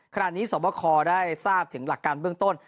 ขนาดนี้สมบัติคอลได้ทราบถึงหลักการเบื้องต้น